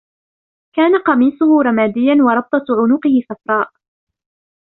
كانَ قميصهُ رمادياً وربطةُ عُنقهِ صفراءَ.